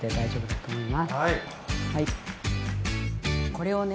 これをね